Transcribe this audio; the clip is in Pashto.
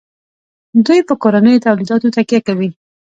دوی په کورنیو تولیداتو تکیه کوي.